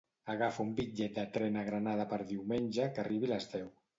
Agafa un bitllet de tren a Granada per diumenge, que arribi les deu.